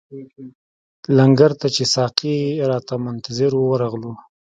لنګر ته چې ساقي راته منتظر وو ورغلو.